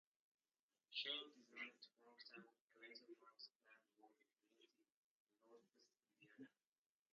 Shaw designed Marktown, Clayton Mark's planned worker community in Northwest Indiana.